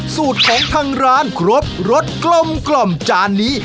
สูตรของทางร้านครบรสกลมจานนี้